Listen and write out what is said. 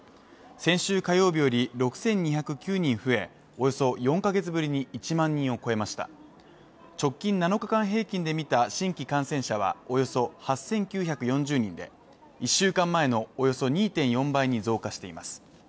先週火曜日より６２０９人増えおよそ４か月ぶりに１万人を超えました直近７日間平均で見た新規感染者はおよそ８９４０人で１週間前のおよそ２．４倍に増加しています